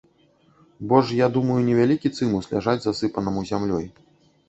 Бо ж, я думаю, невялікі цымус ляжаць засыпанаму зямлёй.